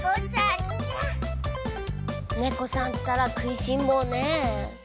ネコさんったら食いしんぼうね！